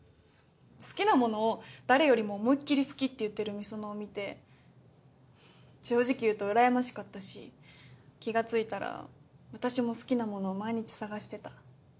好きなものを誰よりも思いっ切り好きって言ってる美園を見て正直言うと羨ましかったし気がついたら私も好きなものを毎日探してた。